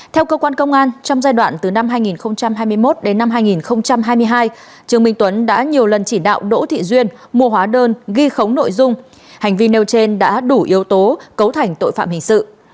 theo cơ quan công an trong giai đoạn từ năm hai nghìn hai mươi một đến năm hai nghìn hai mươi hai trương minh tuấn đã nhiều lần chỉ đạo đỗ thị duyên mua hóa đơn ghi khống nội dung hành vi nêu trên đã đủ yếu tố cấu thành tội phạm hình sự